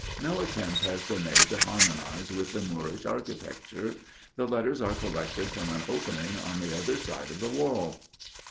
No attempt has been made to harmonize with the Moorish architecture. The letters are collected from an opening on the other side of the wall.